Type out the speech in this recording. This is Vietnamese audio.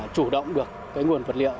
chủ động được nguồn vật liệu